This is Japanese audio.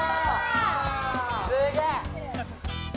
すげえ！